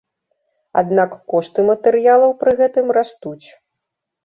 Аднак кошты матэрыялаў пры гэтым растуць.